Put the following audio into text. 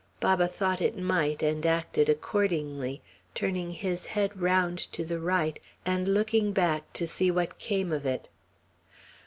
Baba thought it might, and acted accordingly; turning his head round to the right, and looking back to see what came of it.